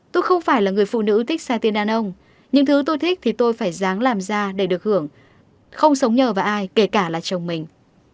tôi không phải là người phụ nữ tích xa tên đàn ông nhưng thứ tôi thích thì tôi phải dáng làm ra để được hưởng không sống nhờ vào ai kể cả là chồng mình